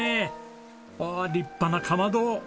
ああ立派なかまど。